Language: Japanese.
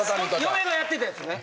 嫁がやってたやつね。